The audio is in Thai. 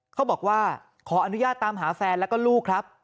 เขาบอกว่าขออนุญาตตามหาแฟนแล้วก็ลูกครับ